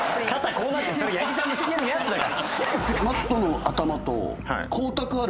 こうなってるのそれ八木さんのＣＭのやつだから。